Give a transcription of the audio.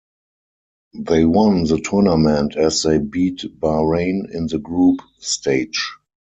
They won the tournament as they beat Bahrain in the group stage.